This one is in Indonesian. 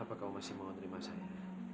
apa kamu masih mau menerima saya